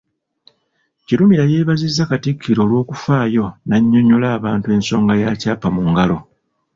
Kirumira yeebazizza Katikkiro olw'okufaayo n’annyonnyola abantu ensonga ya ‘Kyapa mu Ngalo’